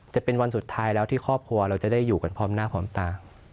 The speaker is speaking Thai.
จะเป็นวันสุดท้ายแล้วที่ครอบครัวเราจะได้อยู่กันพร้อมหน้าพร้อมตา